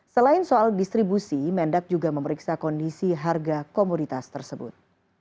selain soal distribusi mendak juga memeriksa kondisi harga komoditas tersebut